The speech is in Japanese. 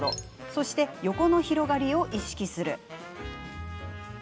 そして、横の広がりを意識する。